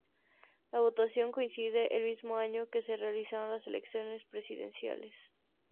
La votación coincide el mismo año que se realizaron las elecciones presidenciales.